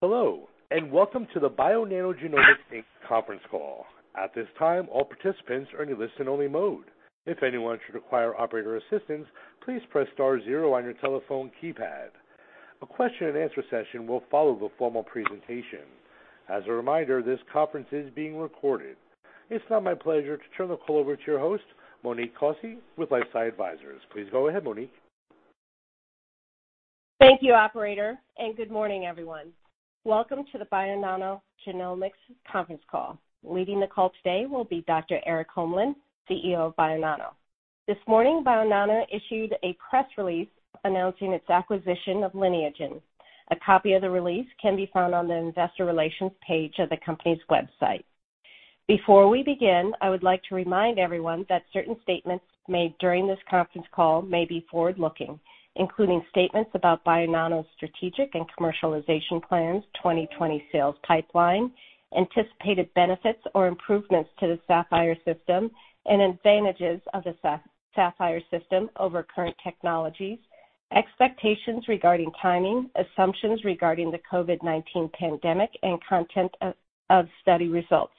Hello, and welcome to the Bionano Genomics, Inc. conference call. At this time, all participants are in listen only mode. If anyone should require operator assistance, please press star zero on your telephone keypad. A question-and-answer session will follow the formal presentation. As a reminder, this conference is being recorded. It's now my pleasure to turn the call over to your host, Monique Kosse, with LifeSci Advisors. Please go ahead, Monique. Thank you, operator, and good morning, everyone. Welcome to the Bionano Genomics conference call. Leading the call today will be Dr. Erik Holmlin, CEO of Bionano. This morning, Bionano issued a press release announcing its acquisition of Lineagen. A copy of the release can be found on the investor relations page of the company's website. Before we begin, I would like to remind everyone that certain statements made during this conference call may be forward-looking, including statements about Bionano's strategic and commercialization plans, 2020 sales pipeline, anticipated benefits or improvements to the Saphyr system, and advantages of the Saphyr system over current technologies, expectations regarding timing, assumptions regarding the COVID-19 pandemic, and content of study results.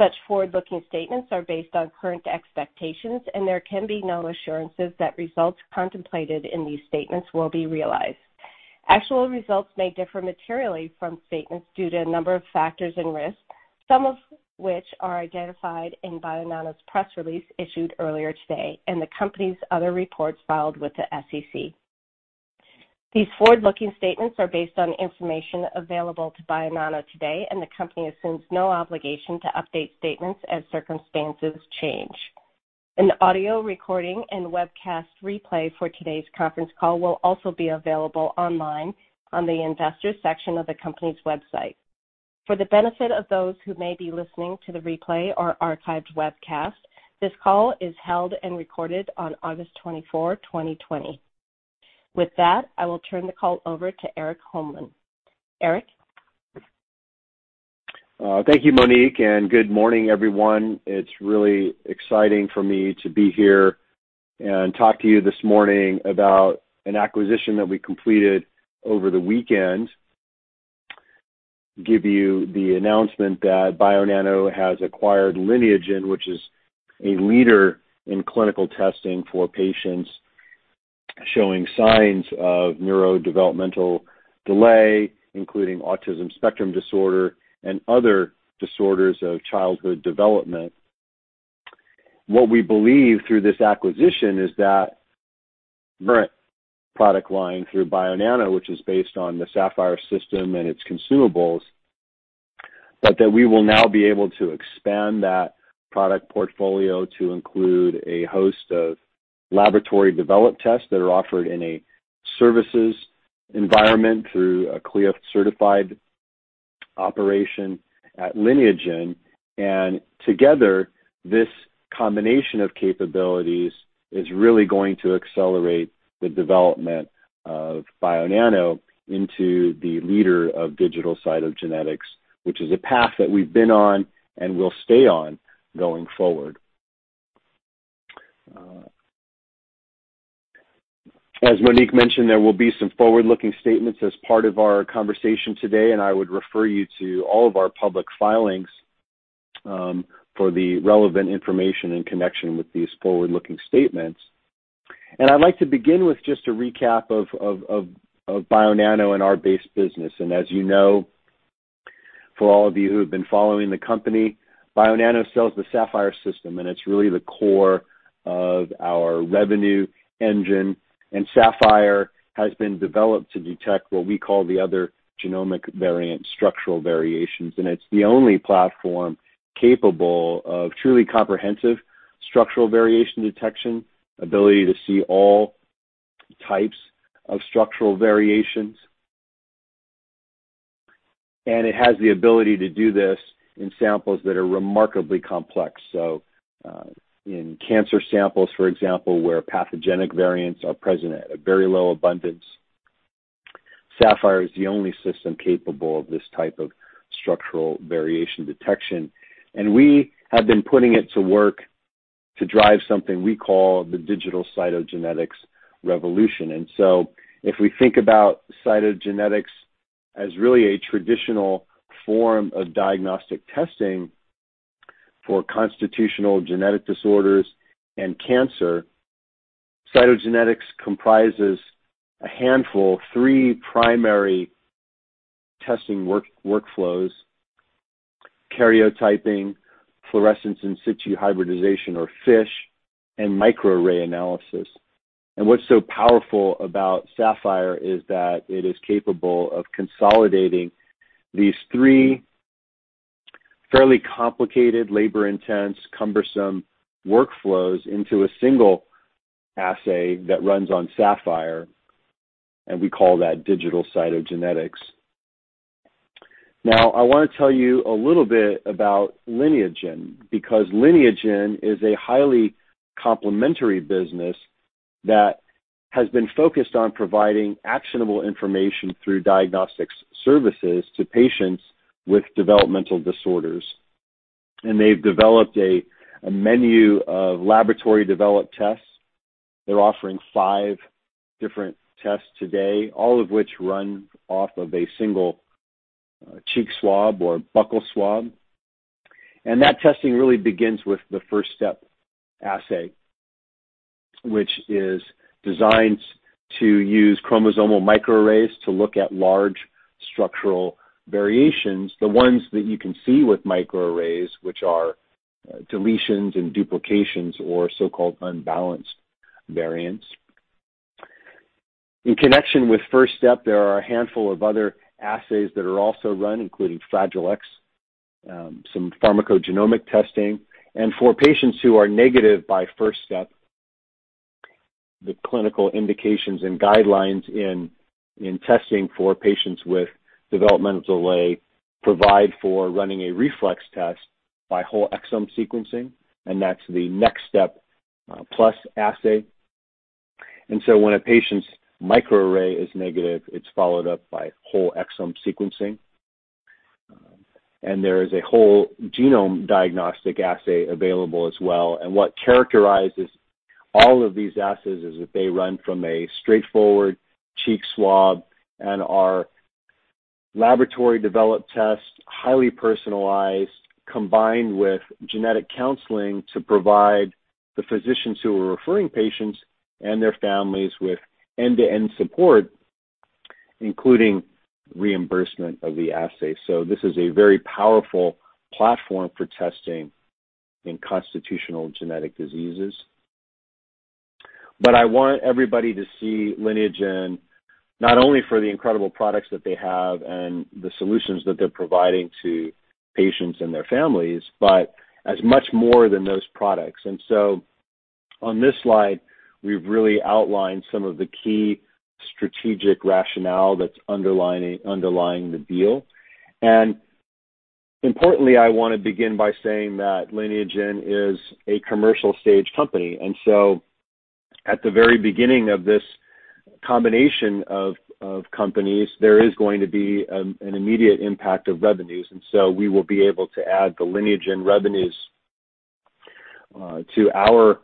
Such forward-looking statements are based on current expectations, and there can be no assurances that results contemplated in these statements will be realized. Actual results may differ materially from statements due to a number of factors and risks, some of which are identified in Bionano's press release issued earlier today and the company's other reports filed with the SEC. These forward-looking statements are based on information available to Bionano today, and the company assumes no obligation to update statements as circumstances change. Audio recording and webcast replay for today's conference call will also be available online on the investors section of the company's website. For the benefit of those who may be listening to the replay or archived webcast, this call is held and recorded on August 24, 2020. With that, I will turn the call over to Erik Holmlin. Erik? Thank you, Monique. Good morning, everyone. It's really exciting for me to be here and talk to you this morning about an acquisition that we completed over the weekend, give you the announcement that Bionano has acquired Lineagen, which is a leader in clinical testing for patients showing signs of neurodevelopmental delay, including autism spectrum disorder and other disorders of childhood development. What we believe through this acquisition is that current product line through Bionano, which is based on the Saphyr system and its consumables, that we will now be able to expand that product portfolio to include a host of laboratory-developed tests that are offered in a services environment through a CLIA certified operation at Lineagen. Together, this combination of capabilities is really going to accelerate the development of Bionano into the leader of digital cytogenetics, which is a path that we've been on and will stay on going forward. As Monique mentioned, there will be some forward-looking statements as part of our conversation today, and I would refer you to all of our public filings for the relevant information in connection with these forward-looking statements. I'd like to begin with just a recap of Bionano and our base business. As you know, for all of you who have been following the company, Bionano sells the Saphyr system, and it's really the core of our revenue engine. Saphyr has been developed to detect what we call the other genomic variant structural variations, and it's the only platform capable of truly comprehensive structural variation detection, ability to see all types of structural variations, and it has the ability to do this in samples that are remarkably complex. In cancer samples, for example, where pathogenic variants are present at a very low abundance, Saphyr is the only system capable of this type of structural variation detection. We have been putting it to work to drive something we call the digital cytogenetics revolution. If we think about cytogenetics as really a traditional form of diagnostic testing for constitutional genetic disorders and cancer, cytogenetics comprises a handful, three primary testing workflows: karyotyping, fluorescence in situ hybridization, or FISH, and microarray analysis. What's so powerful about Saphyr is that it is capable of consolidating these three fairly complicated, labor-intense, cumbersome workflows into a single assay that runs on Saphyr, and we call that digital cytogenetics. I want to tell you a little bit about Lineagen, because Lineagen is a highly complementary business that has been focused on providing actionable information through diagnostic services to patients with developmental disorders. They've developed a menu of laboratory-developed tests. They're offering five different tests today, all of which run off of a single cheek swab or buccal swab. That testing really begins with the FirstStep assay, which is designed to use chromosomal microarrays to look at large structural variations, the ones that you can see with microarrays, which are deletions and duplications or so-called unbalanced variants. In connection with FirstStep, there are a handful of other assays that are also run, including Fragile X, some pharmacogenomic testing. For patients who are negative by FirstStep, the clinical indications and guidelines in testing for patients with developmental delay provide for running a reflex test by whole exome sequencing, and that's the NextStep PLUS assay. When a patient's microarray is negative, it's followed up by whole exome sequencing. There is a whole genome diagnostic assay available as well. What characterizes all of these assays is that they run from a straightforward cheek swab and are laboratory-developed tests, highly personalized, combined with genetic counseling to provide the physicians who are referring patients and their families with end-to-end support, including reimbursement of the assay. This is a very powerful platform for testing in constitutional genetic diseases. I want everybody to see Lineagen not only for the incredible products that they have and the solutions that they're providing to patients and their families, but as much more than those products. On this slide, we've really outlined some of the key strategic rationale that's underlying the deal. Importantly, I want to begin by saying that Lineagen is a commercial-stage company. At the very beginning of this combination of companies, there is going to be an immediate impact of revenues, and so we will be able to add the Lineagen revenues to our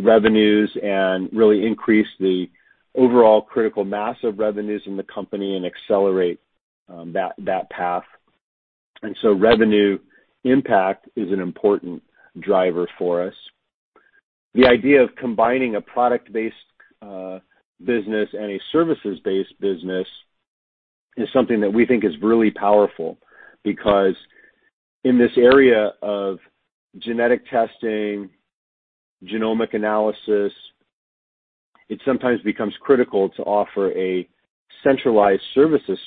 revenues and really increase the overall critical mass of revenues in the company and accelerate that path. Revenue impact is an important driver for us. The idea of combining a product-based business and a services-based business is something that we think is really powerful because in this area of genetic testing, genomic analysis, it sometimes becomes critical to offer a centralized services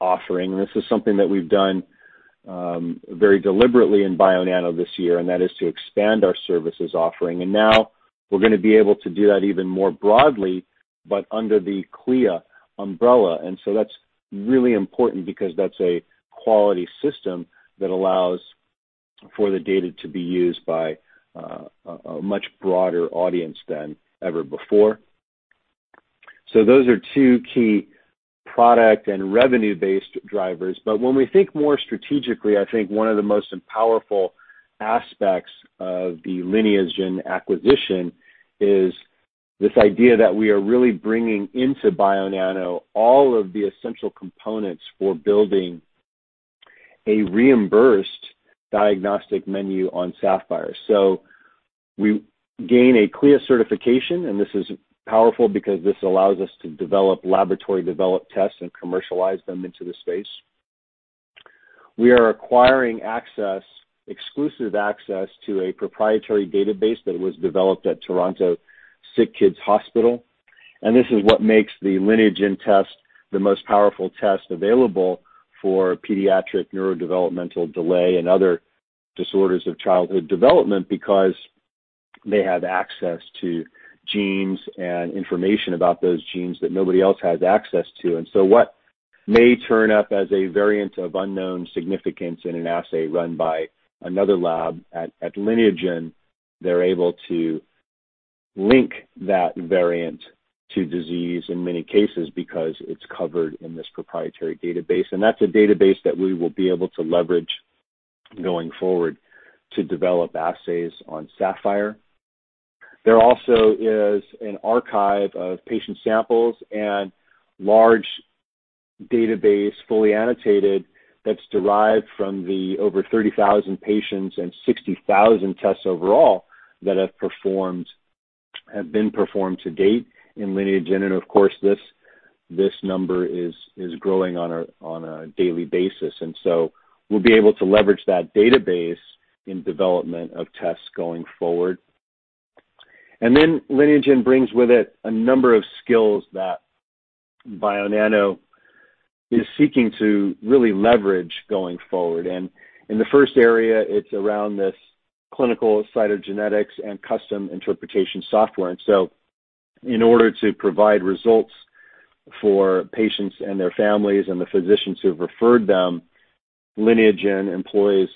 offering. This is something that we've done very deliberately in Bionano this year, that is to expand our services offering. Now we're going to be able to do that even more broadly, but under the CLIA umbrella. That's really important because that's a quality system that allows for the data to be used by a much broader audience than ever before. Those are two key product and revenue-based drivers. When we think more strategically, I think one of the most powerful aspects of the Lineagen acquisition is this idea that we are really bringing into Bionano all of the essential components for building a reimbursed diagnostic menu on Saphyr. We gain a CLIA certification, and this is powerful because this allows us to develop laboratory-developed tests and commercialize them into the space. We are acquiring access, exclusive access, to a proprietary database that was developed at Toronto SickKids Hospital, and this is what makes the Lineagen test the most powerful test available for pediatric neurodevelopmental delay and other disorders of childhood development because they have access to genes and information about those genes that nobody else has access to. What may turn up as a variant of unknown significance in an assay run by another lab, at Lineagen, they're able to link that variant to disease in many cases because it's covered in this proprietary database, and that's a database that we will be able to leverage going forward to develop assays on Saphyr. There also is an archive of patient samples and large database, fully annotated, that's derived from the over 30,000 patients and 60,000 tests overall that have been performed to date in Lineagen. Of course, this number is growing on a daily basis. We'll be able to leverage that database in development of tests going forward. Lineagen brings with it a number of skills that Bionano is seeking to really leverage going forward. In the first area, it's around this clinical cytogenetics and custom interpretation software. In order to provide results for patients and their families and the physicians who have referred them, Lineagen employs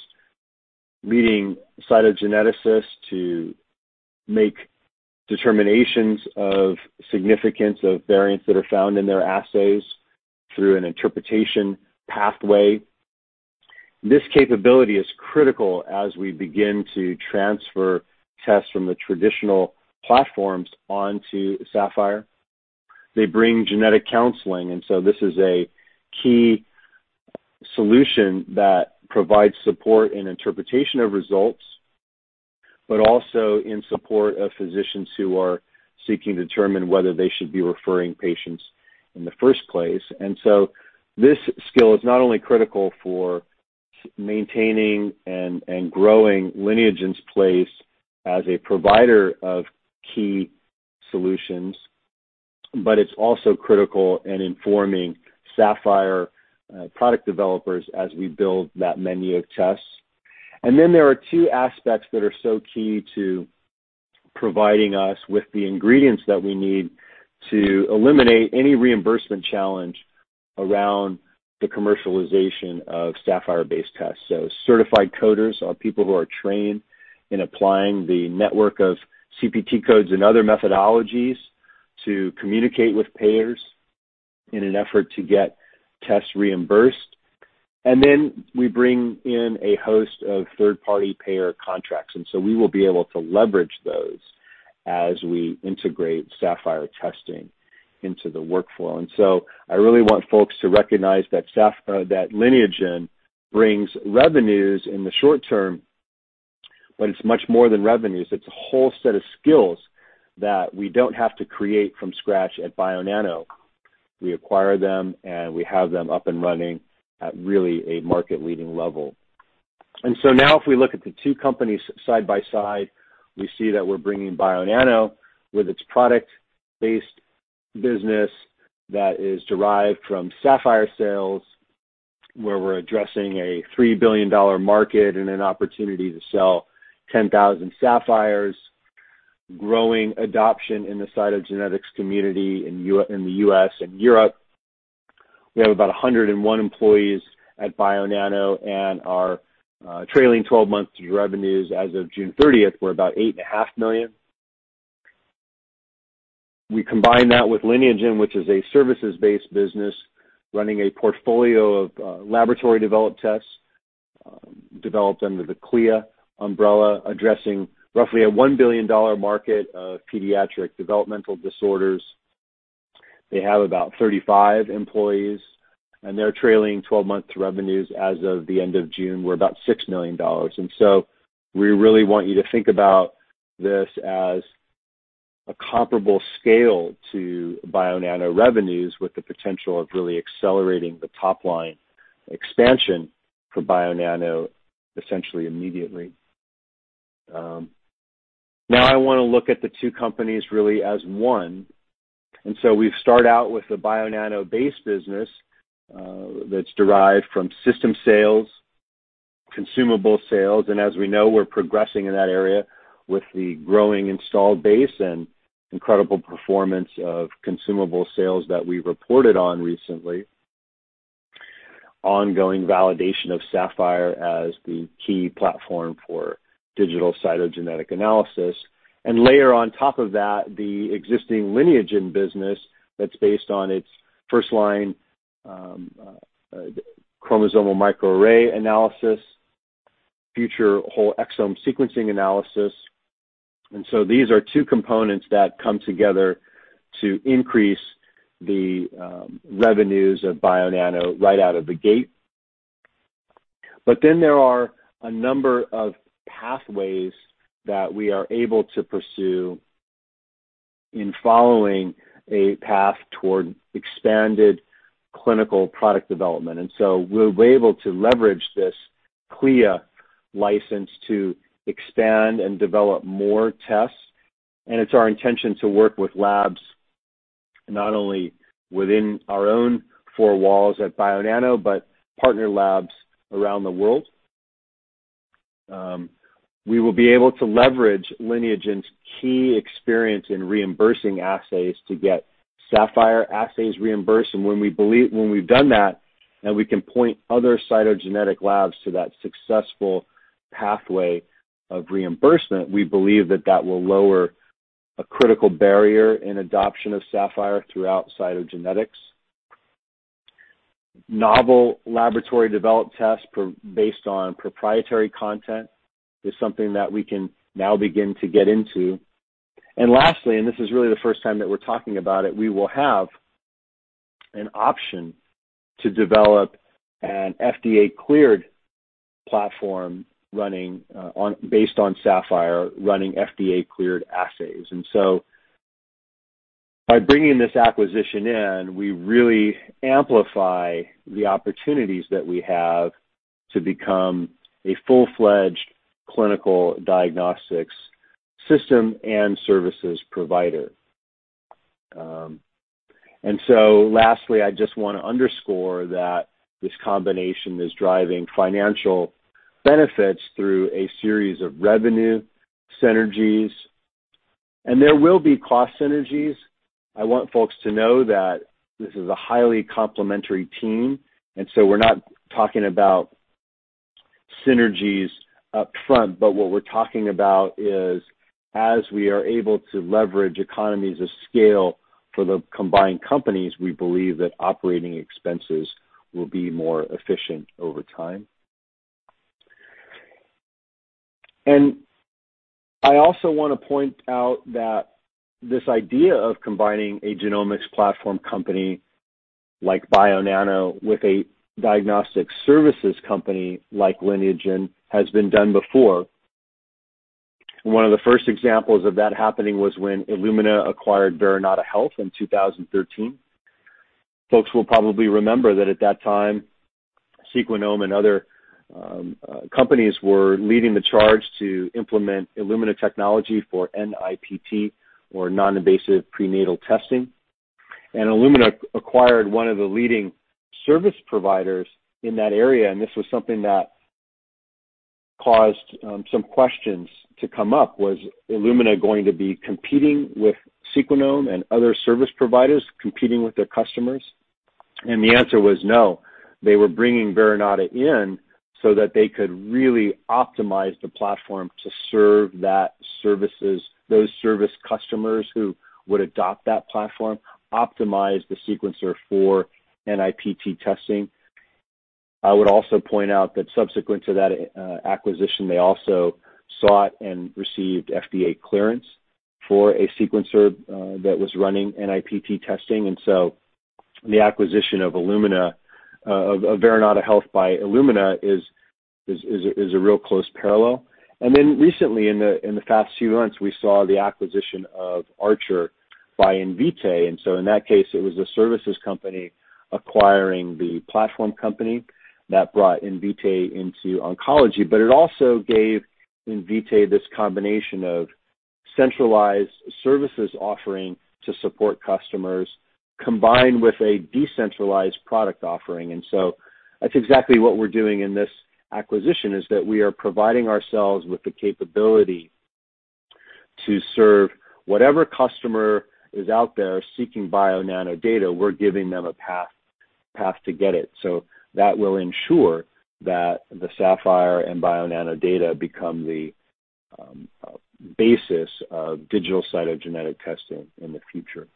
leading cytogeneticists to make determinations of significance of variants that are found in their assays through an interpretation pathway. This capability is critical as we begin to transfer tests from the traditional platforms onto Saphyr. They bring genetic counseling. This is a key solution that provides support and interpretation of results, but also in support of physicians who are seeking to determine whether they should be referring patients in the first place. This skill is not only critical for maintaining and growing Lineagen's place as a provider of key solutions, but it's also critical in informing Saphyr product developers as we build that menu of tests. There are two aspects that are so key to providing us with the ingredients that we need to eliminate any reimbursement challenge around the commercialization of Saphyr-based tests. Certified coders are people who are trained in applying the network of CPT codes and other methodologies to communicate with payers in an effort to get tests reimbursed. We bring in a host of third-party payer contracts, we will be able to leverage those as we integrate Saphyr testing into the workflow. I really want folks to recognize that Lineagen brings revenues in the short term, but it's much more than revenues. It's a whole set of skills that we don't have to create from scratch at Bionano. We acquire them, and we have them up and running at really a market-leading level. Now if we look at the two companies side by side, we see that we're bringing Bionano with its product-based business that is derived from Saphyr sales, where we're addressing a $3 billion market and an opportunity to sell 10,000 Saphyr, growing adoption in the cytogenetics community in the U.S. and Europe. We have about 101 employees at Bionano, and our trailing 12 months revenues as of June 30th were about $8.5 million. We combine that with Lineagen, which is a services-based business running a portfolio of laboratory-developed tests developed under the CLIA umbrella, addressing roughly a $1 billion market of pediatric developmental disorders. They have about 35 employees, and their trailing 12 months revenues as of the end of June were about $6 million. We really want you to think about this as a comparable scale to Bionano revenues with the potential of really accelerating the top-line expansion for Bionano essentially immediately. Now I want to look at the two companies really as one. We start out with the Bionano base business that's derived from system sales, consumable sales, and as we know, we're progressing in that area with the growing installed base and incredible performance of consumable sales that we reported on recently, ongoing validation of Saphyr as the key platform for digital cytogenetic analysis, and layer on top of that the existing Lineagen business that's based on its first-line chromosomal microarray analysis, future whole exome sequencing analysis. These are two components that come together to increase the revenues of Bionano right out of the gate. There are a number of pathways that we are able to pursue in following a path toward expanded clinical product development. We're able to leverage this CLIA license to expand and develop more tests, and it's our intention to work with labs not only within our own four walls at Bionano, but partner labs around the world. We will be able to leverage Lineagen's key experience in reimbursing assays to get Saphyr assays reimbursed, and when we've done that, and we can point other cytogenetic labs to that successful pathway of reimbursement, we believe that that will lower a critical barrier in adoption of Saphyr throughout cytogenetics. Novel laboratory-developed tests based on proprietary content is something that we can now begin to get into. Lastly, and this is really the first time that we're talking about it, we will have an option to develop an FDA-cleared platform based on Saphyr running FDA-cleared assays. By bringing this acquisition in, we really amplify the opportunities that we have to become a full-fledged clinical diagnostics system and services provider. Lastly, I just want to underscore that this combination is driving financial benefits through a series of revenue synergies, and there will be cost synergies. I want folks to know that this is a highly complementary team, and so we're not talking about synergies up front, but what we're talking about is as we are able to leverage economies of scale for the combined companies, we believe that operating expenses will be more efficient over time. I also want to point out that this idea of combining a genomics platform company like Bionano with a diagnostic services company like Lineagen has been done before. One of the first examples of that happening was when Illumina acquired Verinata Health in 2013. Folks will probably remember that at that time, Sequenom and other companies were leading the charge to implement Illumina technology for NIPT, or non-invasive prenatal testing, and Illumina acquired one of the leading service providers in that area, and this was something that caused some questions to come up. Was Illumina going to be competing with Sequenom and other service providers, competing with their customers? The answer was no. They were bringing Verinata in so that they could really optimize the platform to serve those service customers who would adopt that platform, optimize the sequencer for NIPT testing. I would also point out that subsequent to that acquisition, they also sought and received FDA clearance for a sequencer that was running NIPT testing. The acquisition of Verinata Health by Illumina is a real close parallel. Recently, in the past few months, we saw the acquisition of Archer by Invitae. In that case, it was a services company acquiring the platform company that brought Invitae into oncology. It also gave Invitae this combination of centralized services offering to support customers, combined with a decentralized product offering. That's exactly what we're doing in this acquisition, is that we are providing ourselves with the capability to serve whatever customer is out there seeking Bionano data, we're giving them a path to get it. That will ensure that the Saphyr and Bionano data become the basis of digital cytogenetics testing in the future.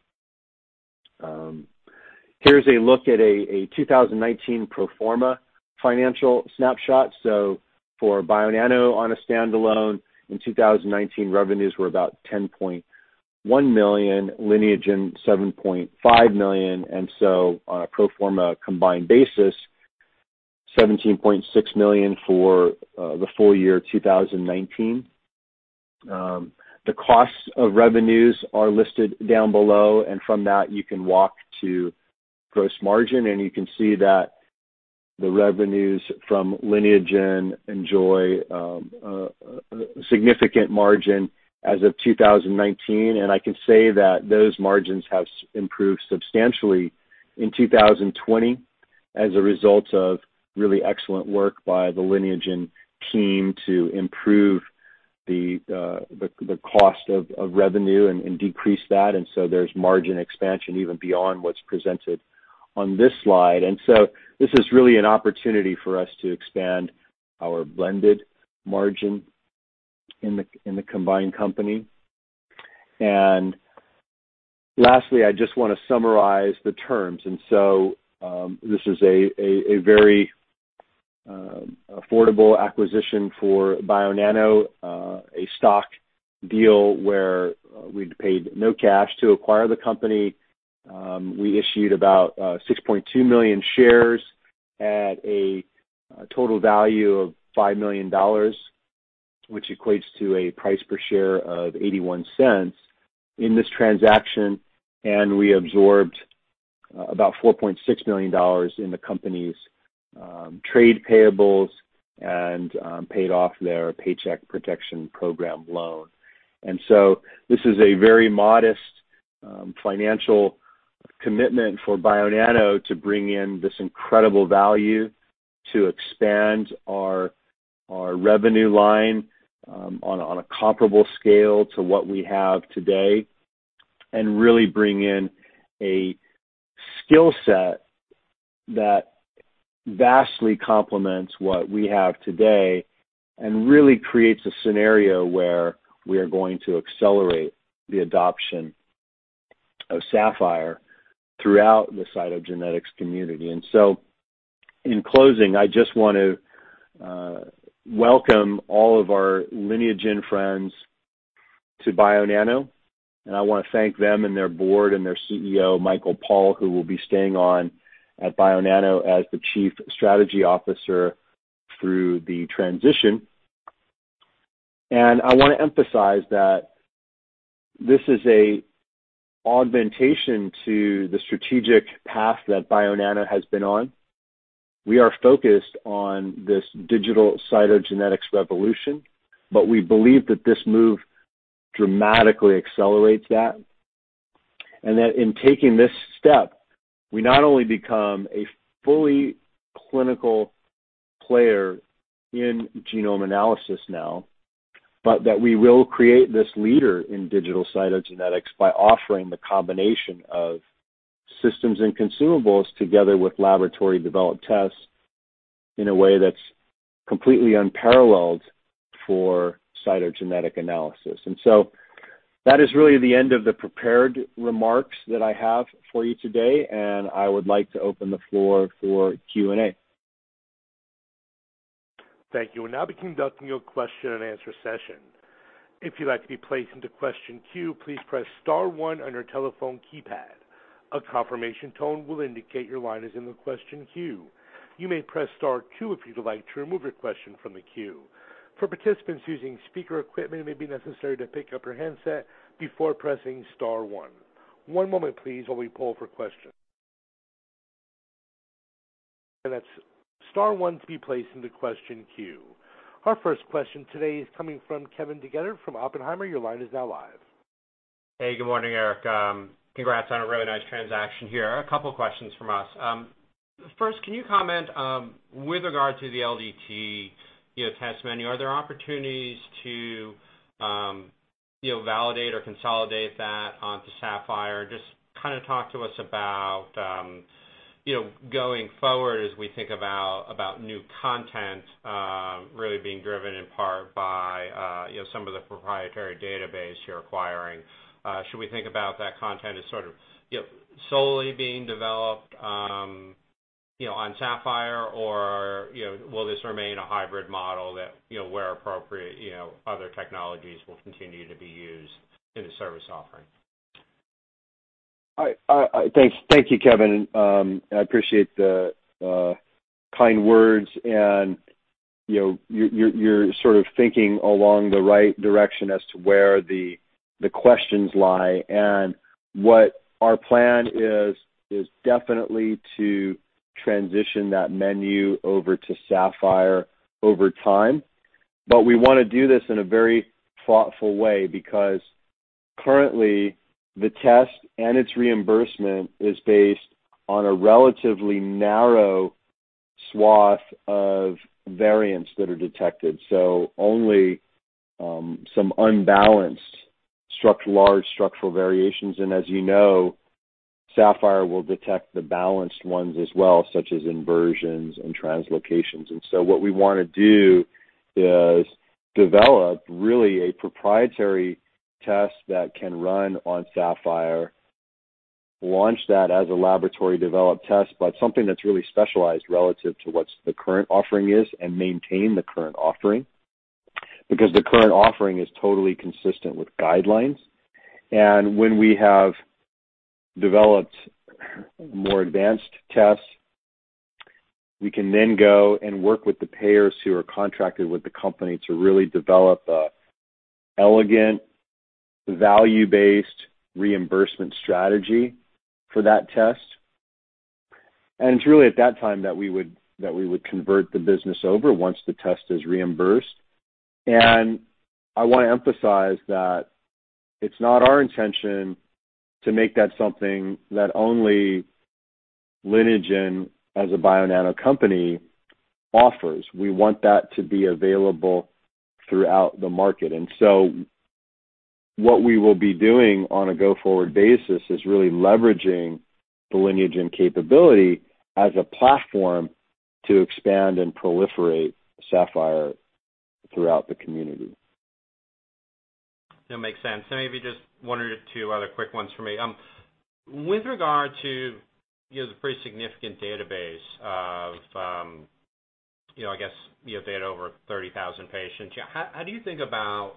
Here's a look at a 2019 pro forma financial snapshot. For Bionano on a standalone in 2019, revenues were about $10.1 million, Lineagen $7.5 million, and so on a pro forma combined basis, $17.6 million for the full-year 2019. The costs of revenues are listed down below, and from that you can walk to gross margin and you can see that the revenues from Lineagen enjoy a significant margin as of 2019, and I can say that those margins have improved substantially in 2020 as a result of really excellent work by the Lineagen team to improve the cost of revenue and decrease that, and so there's margin expansion even beyond what's presented on this slide. This is really an opportunity for us to expand our blended margin in the combined company. Lastly, I just want to summarize the terms. This is a very affordable acquisition for Bionano, a stock deal where we paid no cash to acquire the company. We issued about 6.2 million shares at a total value of $5 million, which equates to a price per share of $0.81 in this transaction, and we absorbed about $4.6 million in the company's trade payables and paid off their Paycheck Protection Program loan. This is a very modest financial commitment for Bionano to bring in this incredible value to expand our revenue line on a comparable scale to what we have today, and really bring in a skill set that vastly complements what we have today and really creates a scenario where we are going to accelerate the adoption of Saphyr throughout the cytogenetics community. In closing, I just want to welcome all of our Lineagen friends to Bionano, and I want to thank them and their board and their CEO, Michael Paul, who will be staying on at Bionano as the Chief Strategy Officer through the transition. I want to emphasize that this is a augmentation to the strategic path that Bionano has been on. We are focused on this digital cytogenetics revolution. We believe that this move dramatically accelerates that, and that in taking this step, we not only become a fully clinical player in genome analysis now, but that we will create this leader in digital cytogenetics by offering the combination of Systems and consumables together with laboratory-developed tests in a way that's completely unparalleled for cytogenetic analysis. That is really the end of the prepared remarks that I have for you today, and I would like to open the floor for Q&A. Thank you. We'll now be conducting your question-and-answer session. If you'd like to be placed into question queue, please press star one on your telephone keypad. A confirmation tone will indicate your line is in the question queue. You may press star two if you'd like to remove your question from the queue. For participants using speaker equipment, it may be necessary to pick up your handset before pressing star one. One moment please while we poll for questions. That's star one to be placed into question queue. Our first question today is coming from Kevin DeGeeter from Oppenheimer. Your line is now live. Hey, good morning, Erik. Congrats on a really nice transaction here. A couple questions from us. First, can you comment with regard to the LDT test menu, are there opportunities to validate or consolidate that onto Saphyr? Just talk to us about going forward as we think about new content really being driven in part by some of the proprietary database you're acquiring. Should we think about that content as sort of solely being developed on Saphyr, or will this remain a hybrid model that, where appropriate, other technologies will continue to be used in the service offering? Thank you, Kevin. I appreciate the kind words, and you're sort of thinking along the right direction as to where the questions lie and what our plan is definitely to transition that menu over to Saphyr over time. We want to do this in a very thoughtful way because currently, the test and its reimbursement is based on a relatively narrow swath of variants that are detected. Only some unbalanced large structural variations. As you know, Saphyr will detect the balanced ones as well, such as inversions and translocations. What we want to do is develop, really, a proprietary test that can run on Saphyr, launch that as a laboratory-developed test, but something that's really specialized relative to what's the current offering is, and maintain the current offering because the current offering is totally consistent with guidelines. When we have developed more advanced tests, we can then go and work with the payers who are contracted with the company to really develop a elegant, value-based reimbursement strategy for that test. It's really at that time that we would convert the business over, once the test is reimbursed. I want to emphasize that it's not our intention to make that something that only Lineagen as a Bionano company offers. We want that to be available throughout the market. What we will be doing on a go-forward basis is really leveraging the Lineagen capability as a platform to expand and proliferate Saphyr throughout the community. That makes sense. Maybe just one or two other quick ones for me. With regard to the pretty significant database of, I guess, they had over 30,000 patients. How do you think about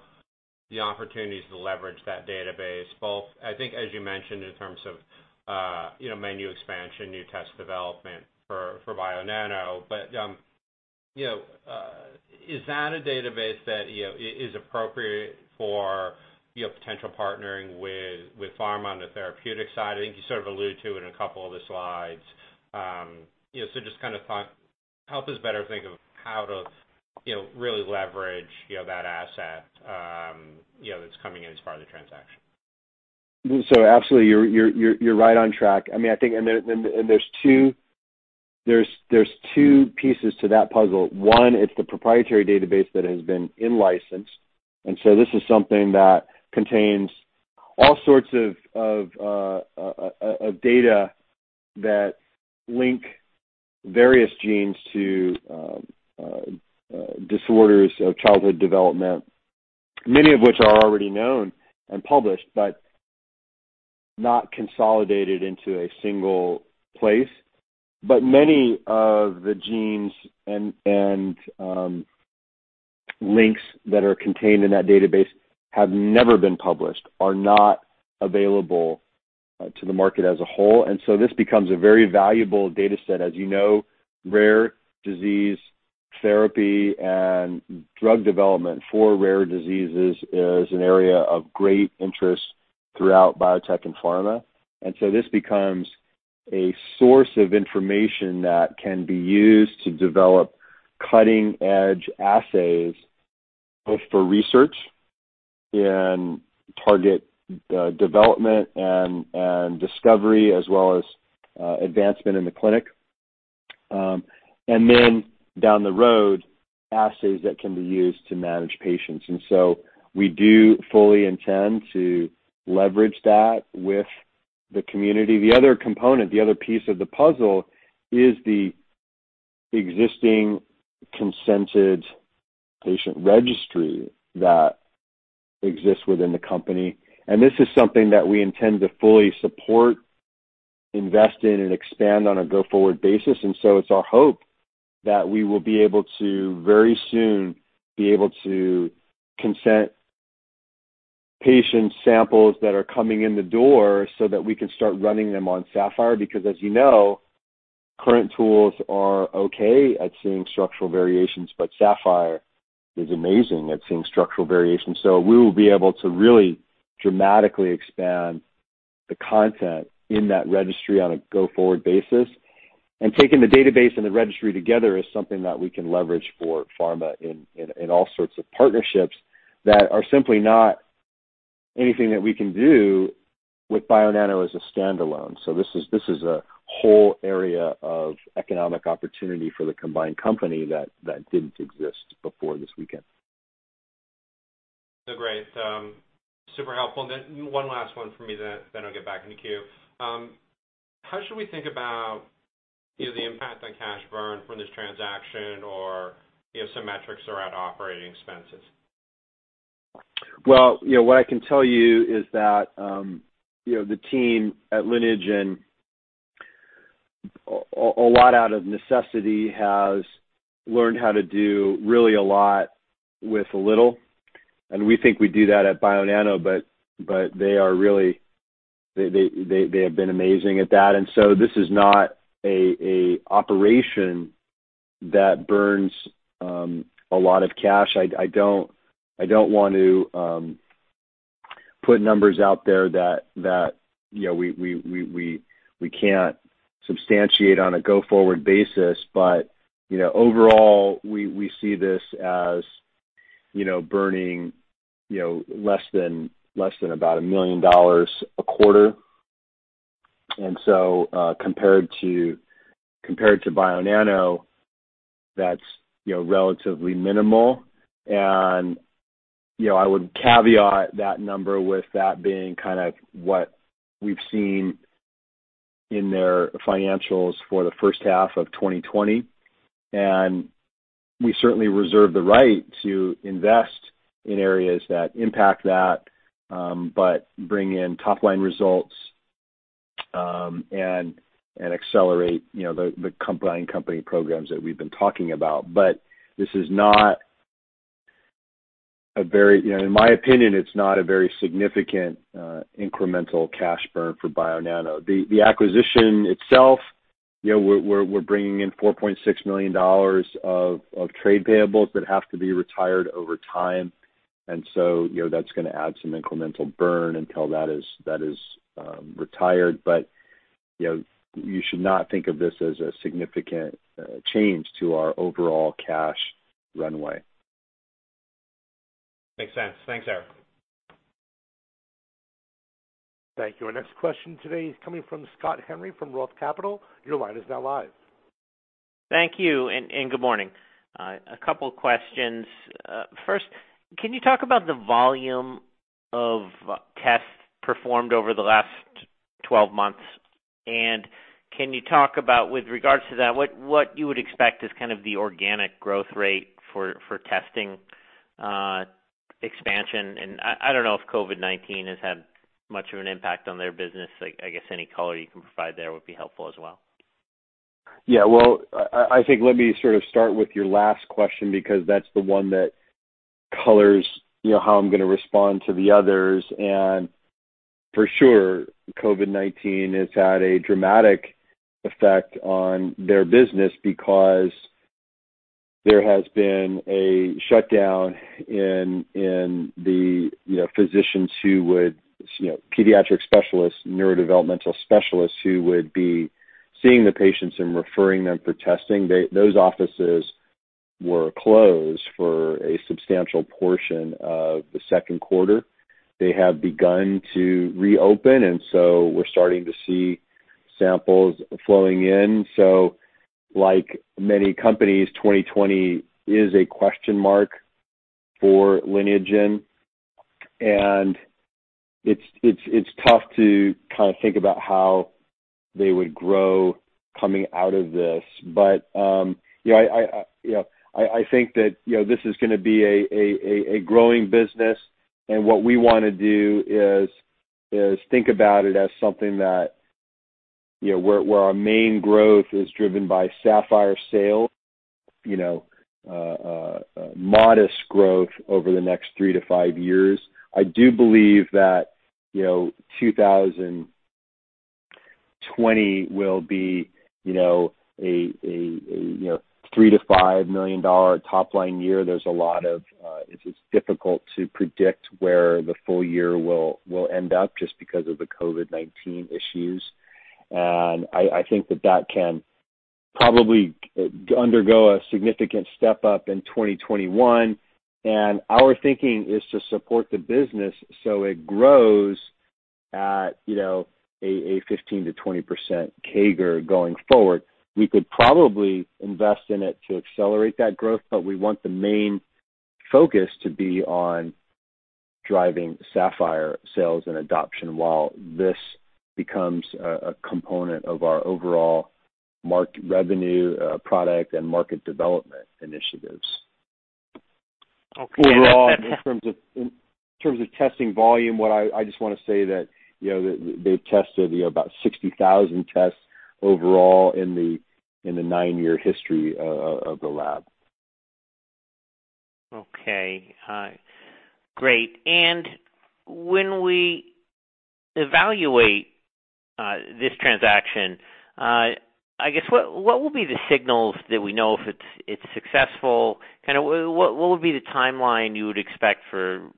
the opportunities to leverage that database, both, I think as you mentioned, in terms of menu expansion, new test development for Bionano, but is that a database that is appropriate for potential partnering with Pharma on the therapeutic side? I think you sort of alluded to in a couple of the slides. Just kind of thought, help us better think of how to really leverage that asset that's coming in as part of the transaction. Absolutely, you're right on track. I think there's two pieces to that puzzle. One, it's the proprietary database that has been in-license, and so this is something that contains all sorts of data that link various genes to disorders of childhood development, many of which are already known and published, but not consolidated into a single place. Many of the genes and links that are contained in that database have never been published, are not available to the market as a whole, and so this becomes a very valuable data set. As you know, rare disease therapy and drug development for rare diseases is an area of great interest throughout biotech and pharma, this becomes a source of information that can be used to develop cutting-edge assays, both for research and target development and discovery as well as advancement in the clinic. Down the road, assays that can be used to manage patients. We do fully intend to leverage that with the community. The other component, the other piece of the puzzle is the existing consented patient registry that exists within the company, and this is something that we intend to fully support, invest in, and expand on a go-forward basis. It's our hope that we will be able to, very soon, be able to consent patient samples that are coming in the door so that we can start running them on Saphyr, because as you know, current tools are okay at seeing structural variations, but Saphyr is amazing at seeing structural variations. We will be able to really dramatically expand the content in that registry on a go-forward basis. Taking the database and the registry together is something that we can leverage for pharma in all sorts of partnerships that are simply not anything that we can do with Bionano as a standalone. This is a whole area of economic opportunity for the combined company that didn't exist before this weekend. Great. Super helpful. Then one last one from me, then I'll get back in the queue. How should we think about either the impact on cash burn from this transaction or some metrics around operating expenses? Well, what I can tell you is that the team at Lineagen, a lot out of necessity, has learned how to do really a lot with a little. We think we do that at Bionano, but they have been amazing at that. This is not a operation that burns a lot of cash. I don't want to put numbers out there that we can't substantiate on a go-forward basis. Overall, we see this as burning less than about $1 million a quarter. Compared to Bionano, that's relatively minimal, and I would caveat that number with that being kind of what we've seen in their financials for the first half of 2020, and we certainly reserve the right to invest in areas that impact that, but bring in top-line results, and accelerate the combined company programs that we've been talking about. In my opinion, it's not a very significant incremental cash burn for Bionano. The acquisition itself, we're bringing in $4.6 million of trade payables that have to be retired over time. That's going to add some incremental burn until that is retired. You should not think of this as a significant change to our overall cash runway. Makes sense. Thanks, Erik. Thank you. Our next question today is coming from Scott Henry from Roth Capital. Your line is now live. Thank you, and good morning. A couple questions. First, can you talk about the volume of tests performed over the last 12 months? Can you talk about, with regards to that, what you would expect as kind of the organic growth rate for testing expansion? I don't know if COVID-19 has had much of an impact on their business. I guess any color you can provide there would be helpful as well. Well, I think let me sort of start with your last question, because that's the one that colors how I'm going to respond to the others. For sure, COVID-19 has had a dramatic effect on their business because there has been a shutdown in the physicians, pediatric specialists, neurodevelopmental specialists, who would be seeing the patients and referring them for testing. Those offices were closed for a substantial portion of the second quarter. They have begun to reopen, we're starting to see samples flowing in. Like many companies, 2020 is a question mark for Lineagen, and it's tough to kind of think about how they would grow coming out of this. I think that this is going to be a growing business, and what we want to do is think about it as something that where our main growth is driven by Saphyr sale, modest growth over the next three to five years. I do believe that 2020 will be a $3 million-$5 million top-line year. It's just difficult to predict where the full-year will end up, just because of the COVID-19 issues. I think that that can probably undergo a significant step-up in 2021. Our thinking is to support the business so it grows at a 15%-20% CAGR going forward, we could probably invest in it to accelerate that growth, but we want the main focus to be on driving Saphyr sales and adoption while this becomes a component of our overall revenue, product, and market development initiatives. Overall, in terms of testing volume, I just want to say that they've tested about 60,000 tests overall in the nine-year history of the lab. Okay. Great. When we evaluate this transaction, I guess, what will be the signals that we know if it's successful? What would be the timeline you would expect for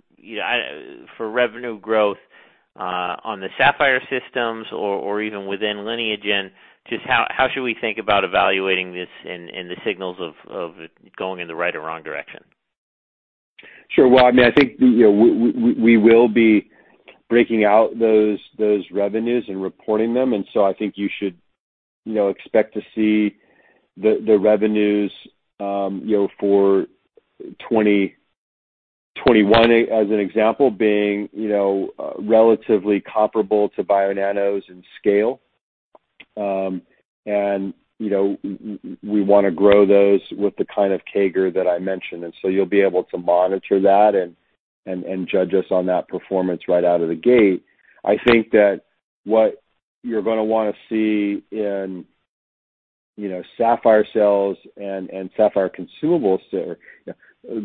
revenue growth on the Saphyr systems or even within Lineagen? Just how should we think about evaluating this and the signals of it going in the right or wrong direction? Sure. Well, I think we will be breaking out those revenues and reporting them. I think you should expect to see the revenues for 2021, as an example, being relatively comparable to Bionano's and scale. We want to grow those with the kind of CAGR that I mentioned. You'll be able to monitor that and judge us on that performance right out of the gate. I think that what you're going to want to see in Saphyr sales and Saphyr consumables there,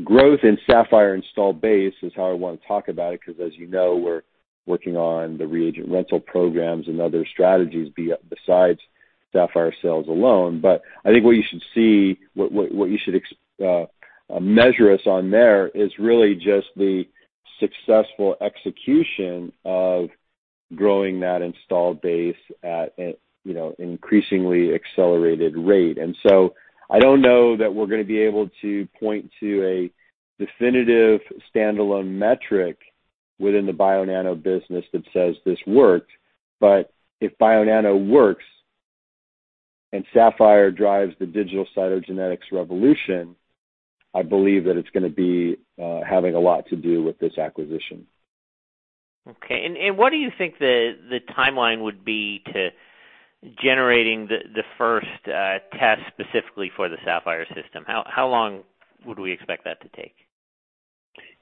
growth in Saphyr installed base is how I want to talk about it, because as you know, we're working on the reagent rental programs and other strategies besides Saphyr sales alone. I think what you should measure us on there is really just the successful execution of growing that installed base at increasingly accelerated rate. I don't know that we're going to be able to point to a definitive standalone metric within the Bionano business that says this worked, but if Bionano works and Saphyr drives the digital cytogenetics revolution, I believe that it's going to be having a lot to do with this acquisition. Okay. What do you think the timeline would be to generating the first test specifically for the Saphyr system? How long would we expect that to take?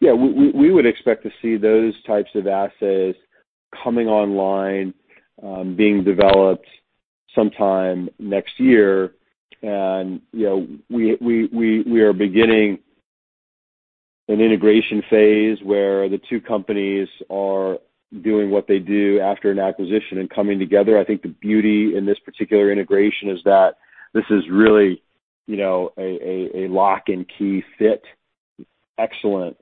Yeah. We would expect to see those types of assays coming online, being developed sometime next year. We are beginning an integration phase where the two companies are doing what they do after an acquisition and coming together. I think the beauty in this particular integration is that this is really a lock-and-key fit, excellent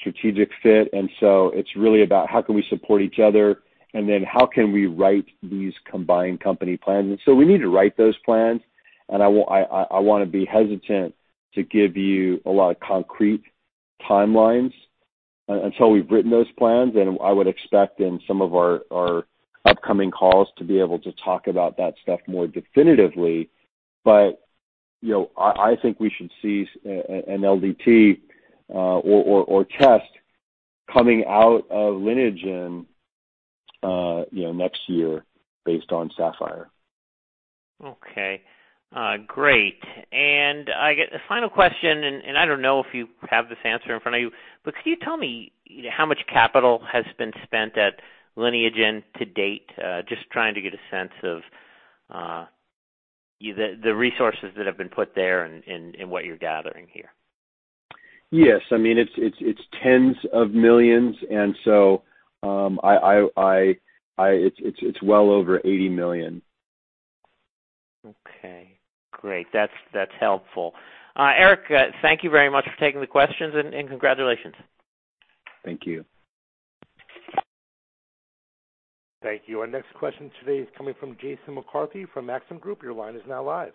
strategic fit, and so it's really about how can we support each other, and then how can we write these combined company plans? We need to write those plans, and I want to be hesitant to give you a lot of concrete timelines until we've written those plans, and I would expect in some of our upcoming calls to be able to talk about that stuff more definitively. I think we should see an LDT or test coming out of Lineagen next year based on Saphyr. Okay. Great. The final question, and I don't know if you have this answer in front of you, but could you tell me how much capital has been spent at Lineagen to date? Just trying to get a sense of the resources that have been put there and what you're gathering here. Yes. It's tens of millions, and so it's well over $80 million. Okay, great. That's helpful. Erik, thank you very much for taking the questions, and congratulations. Thank you. Thank you. Our next question today is coming from Jason McCarthy from Maxim Group. Your line is now live.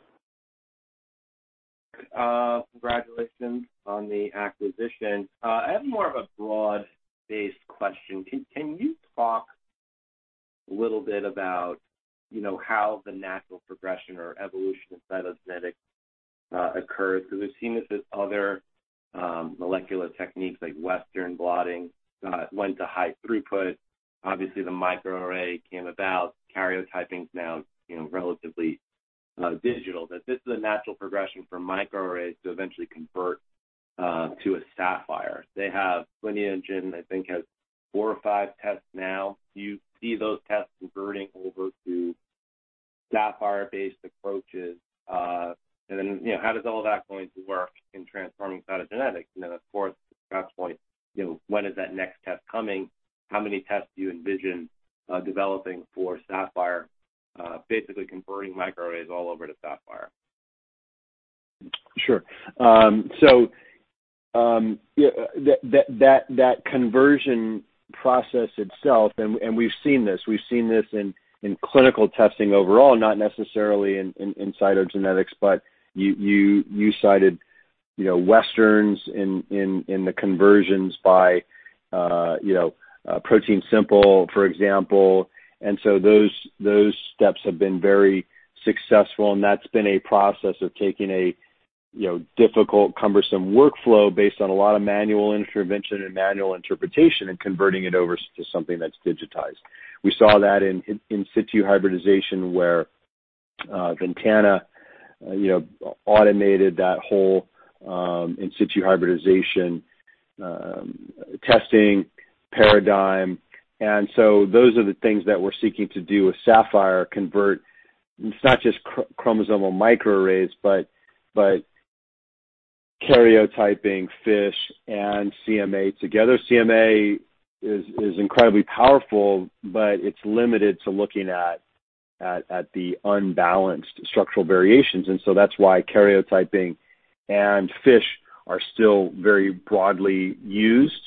Congratulations on the acquisition. I have more of a broad-based question. Can you talk a little bit about how the natural progression or evolution of cytogenetics occurs? We've seen this with other molecular techniques, like Western blotting, went to high throughput. Obviously, the microarray came about. Karyotyping is now relatively digital, that this is a natural progression for chromosomal microarrays to eventually convert to a Saphyr. Lineagen, I think, has four or five tests now. Do you see those tests converting over to Saphyr-based approaches? How does all that going to work in transforming cytogenetics? Of course, the last point, when is that next test coming? How many tests do you envision developing for Saphyr, basically converting chromosomal microarrays all over to Saphyr? Sure. That conversion process itself, and we've seen this. We've seen this in clinical testing overall, not necessarily in cytogenetics, but you cited Westerns in the conversions by ProteinSimple, for example. Those steps have been very successful, and that's been a process of taking a difficult, cumbersome workflow based on a lot of manual intervention and manual interpretation and converting it over to something that's digitized. We saw that in in situ hybridization, where Ventana automated that whole in situ hybridization testing paradigm. Those are the things that we're seeking to do with Saphyr. It's not just chromosomal microarrays, but karyotyping, FISH, and CMA together. CMA is incredibly powerful, but it's limited to looking at the unbalanced structural variations. That's why karyotyping and FISH are still very broadly used.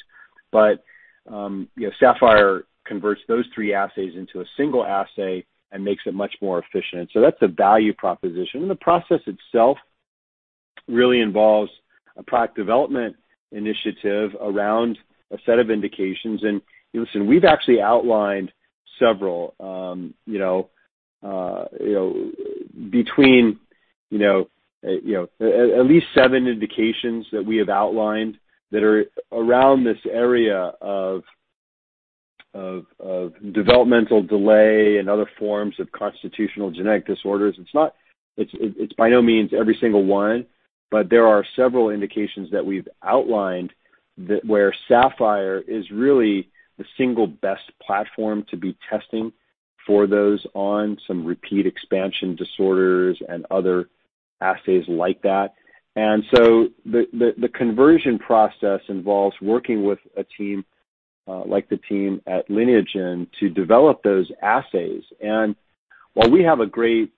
Saphyr converts those three assays into a single assay and makes it much more efficient. That's a value proposition. The process itself really involves a product development initiative around a set of indications. Listen, we've actually outlined several, at least seven indications that we have outlined that are around this area of developmental delay and other forms of constitutional genetic disorders. It's by no means every single one, there are several indications that we've outlined where Saphyr is really the single best platform to be testing for those on some repeat expansion disorders and other assays like that. The conversion process involves working with a team, like the team at Lineagen, to develop those assays. While we have a great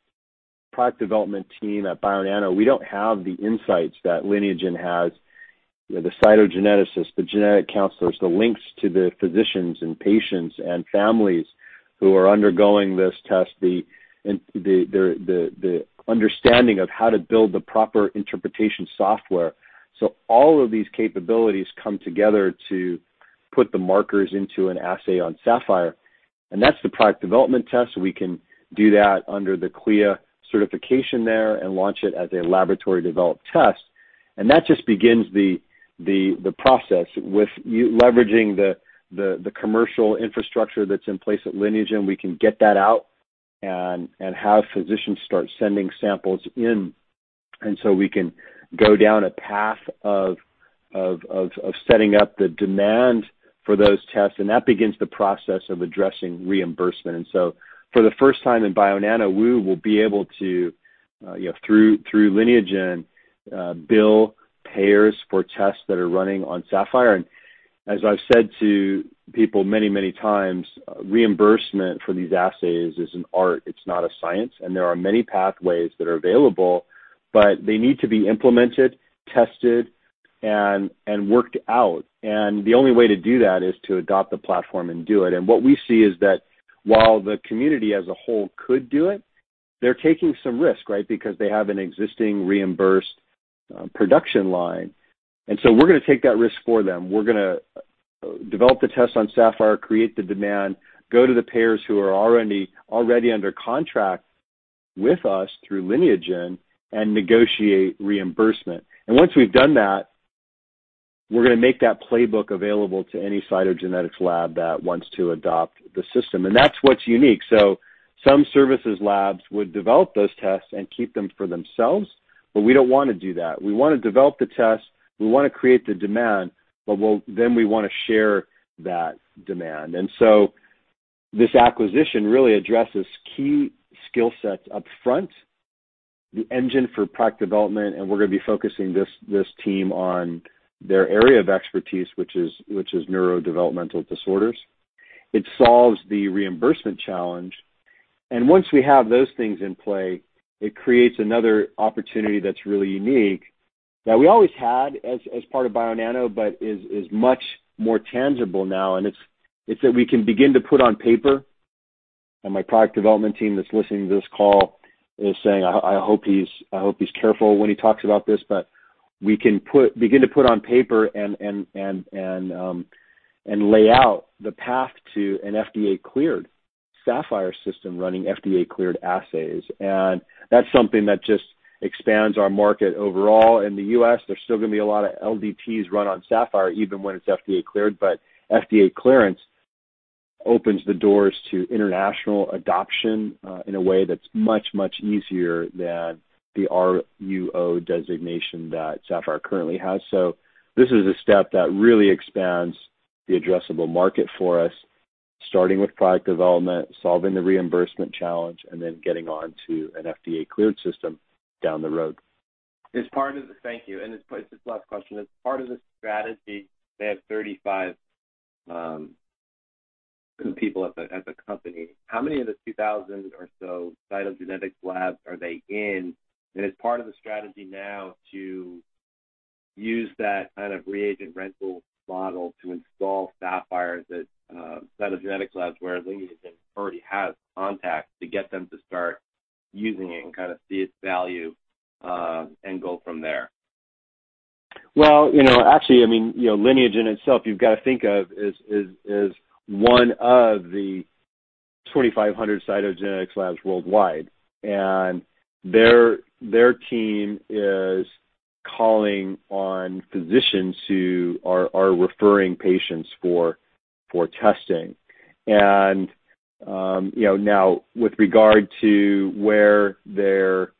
product development team at Bionano, we don't have the insights that Lineagen has. The cytogeneticists, the genetic counselors, the links to the physicians and patients and families who are undergoing this test, the understanding of how to build the proper interpretation software. All of these capabilities come together to put the markers into an assay on Saphyr, and that's the product development test. We can do that under the CLIA certification there and launch it as a laboratory-developed test. That just begins the process with leveraging the commercial infrastructure that's in place at Lineagen. We can get that out and have physicians start sending samples in, and so we can go down a path of setting up the demand for those tests, and that begins the process of addressing reimbursement. For the first time in Bionano, we will be able to, through Lineagen, bill payers for tests that are running on Saphyr. As I've said to people many, many times, reimbursement for these assays is an art. It's not a science. There are many pathways that are available, but they need to be implemented, tested, and worked out. The only way to do that is to adopt the platform and do it. What we see is that while the community as a whole could do it, they're taking some risk, right? Because they have an existing reimbursed production line. So we're going to take that risk for them. We're going to develop the test on Saphyr, create the demand, go to the payers who are already under contract with us through Lineagen, and negotiate reimbursement. Once we've done that, we're going to make that playbook available to any cytogenetics lab that wants to adopt the system, and that's what's unique. Some services labs would develop those tests and keep them for themselves, but we don't want to do that. We want to develop the test. We want to create the demand, but then we want to share that demand. This acquisition really addresses key skill sets up front, the engine for product development, and we're going to be focusing this team on their area of expertise, which is neurodevelopmental disorders. It solves the reimbursement challenge. Once we have those things in play, it creates another opportunity that's really unique, that we always had as part of Bionano, but is much more tangible now. My product development team that's listening to this call is saying, "I hope he's careful when he talks about this," but we can begin to put on paper and lay out the path to an FDA-cleared Saphyr system running FDA-cleared assays. That's something that just expands our market overall in the U.S. There's still going to be a lot of LDTs run on Saphyr, even when it's FDA-cleared, but FDA clearance opens the doors to international adoption, in a way that's much, much easier than the RUO designation that Saphyr currently has. This is a step that really expands the addressable market for us, starting with product development, solving the reimbursement challenge, and then getting on to an FDA clearance system down the road. Thank you, this is the last question. As part of the strategy, they have 35 people at the company. How many of the 2,000 or so cytogenetics labs are they in? Is part of the strategy now to use that kind of reagent rental model to install Saphyr at cytogenetics labs where Lineagen already has contacts to get them to start using it and kind of see its value, and go from there? Well, actually, Lineagen itself, you've got to think of as one of the 2,500 cytogenetics labs worldwide, and their team is calling on physicians who are referring patients for testing. Now with regard to where they're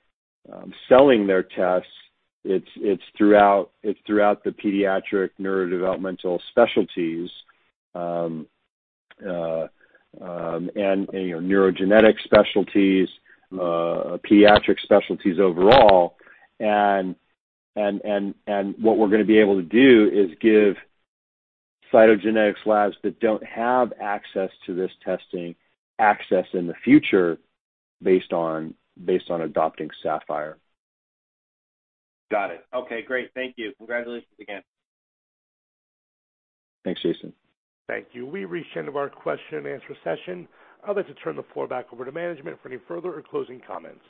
selling their tests, it's throughout the pediatric neurodevelopmental specialties and neurogenetic specialties, pediatric specialties overall. What we're going to be able to do is give cytogenetics labs that don't have access to this testing access in the future based on adopting Saphyr. Got it. Okay, great. Thank you. Congratulations again. Thanks, Jason. Thank you. We've reached the end of our question-and-answer session. I'd like to turn the floor back over to management for any further or closing comments.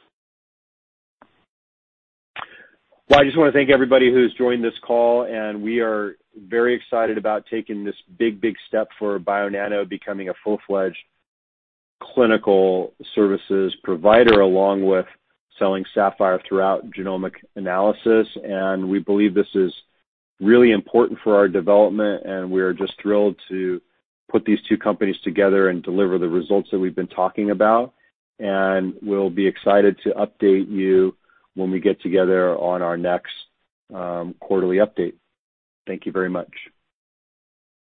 Well, I just want to thank everybody who's joined this call, and we are very excited about taking this big step for Bionano becoming a full-fledged clinical services provider, along with selling Saphyr throughout genomic analysis. We believe this is really important for our development, and we're just thrilled to put these two companies together and deliver the results that we've been talking about. We'll be excited to update you when we get together on our next quarterly update. Thank you very much.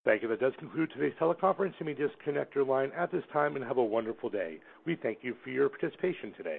Thank you. That does conclude today's teleconference. You may disconnect your line at this time, and have a wonderful day. We thank you for your participation today.